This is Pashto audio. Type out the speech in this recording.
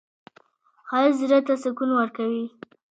ښایست زړه ته سکون ورکوي